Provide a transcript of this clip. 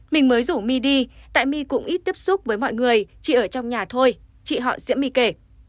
mình mới rủ mi đi tại mi cũng ít tiếp xúc với mọi người chỉ ở trong nhà thôi chị họ diễm my kể